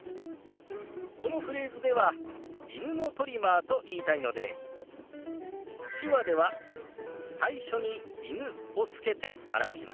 このフレーズでは「犬のトリマー」と言いたいので手話では最初に「犬」をつけて表します。